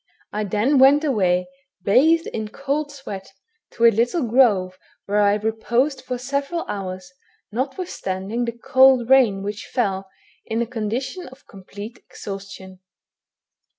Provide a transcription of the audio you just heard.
I then went away, bathed in a cold sweat, to a little grove, where I reposed for several hours, notwithstanding the cold rain which fell, in a condition of complete exhaustion.